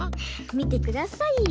みてくださいよ。